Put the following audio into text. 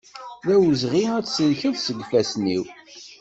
D awezɣi ad tselkeḍ seg ifassen-iw.